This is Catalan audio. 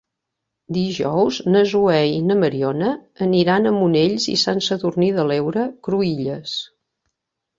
Dijous na Zoè i na Mariona aniran a Monells i Sant Sadurní de l'Heura Cruïlles.